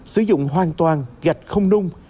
sử dụng hoàn toàn gạch không nung